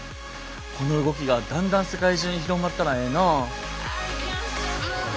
この動きがだんだん世界中に広まったらええな。